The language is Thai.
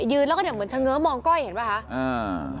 แล้วก็เนี่ยเหมือนเฉง้อมองก้อยเห็นป่ะคะอ่า